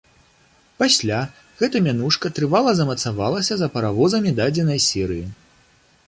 Пасля гэта мянушка трывала замацавалася за паравозамі дадзенай серыі.